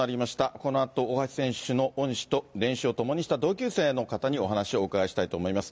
このあと大橋選手の恩師と、練習を共にした同級生の方にお話をお伺いしたいと思います。